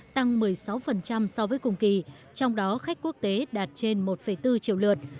tăng một mươi sáu so với cùng kỳ trong đó khách quốc tế đạt trên một bốn triệu lượt